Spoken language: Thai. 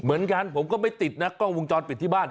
เหมือนกันผมก็ไม่ติดนะกล้องวงจรปิดที่บ้าน